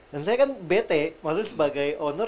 dan saya kan bete maksudnya sebagai owner